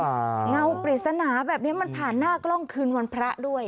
เงาปริศนาแบบนี้มันผ่านหน้ากล้องคืนวันพระด้วย